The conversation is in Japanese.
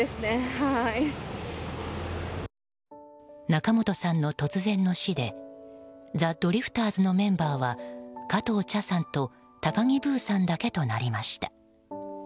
仲本さんの突然の死でザ・ドリフターズのメンバーは加藤茶さんと高木ブーさんだけとなりました。